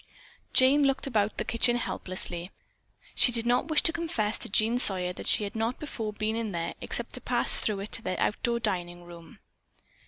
Jane looked about the kitchen helplessly. She did not wish to confess to Jean Sawyer that she had not before been in there except to pass through it to their outdoor dining room.